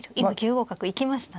五角行きましたね。